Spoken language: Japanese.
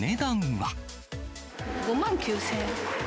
５万９０００円。